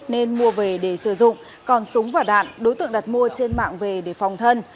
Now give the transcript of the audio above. nên mua về để sử dụng còn súng và đạn đối tượng đặt mua trên mạng về để phòng thân